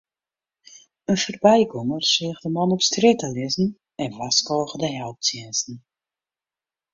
In foarbygonger seach de man op strjitte lizzen en warskôge de helptsjinsten.